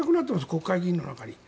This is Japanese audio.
国会議員の中に。